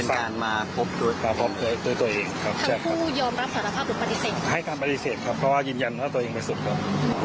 ทั้งคู่มีการแจ๊คกับพลงกับที่โดย